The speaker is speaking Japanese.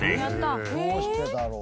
どうしてだろう？